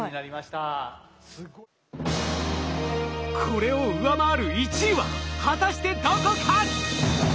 これを上回る１位は果たしてどこか？